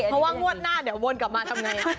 เพราะว่างวดหน้าเดี๋ยววนกลับมาทำไง